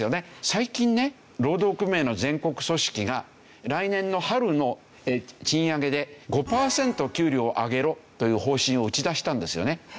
最近ね労働組合の全国組織が来年の春の賃上げで５パーセント給料を上げろという方針を打ち出したんですよね。